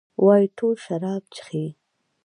وايي ټول شراب چښي؟